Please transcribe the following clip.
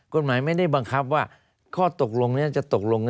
กฎหมายไม่ได้บังคับว่าข้อตกลงนี้จะตกลง